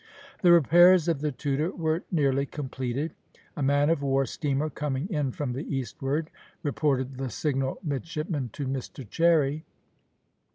The repairs of the Tudor were nearly completed. "A man of war steamer coming in from the eastward," reported the signal midshipman to Mr Cherry.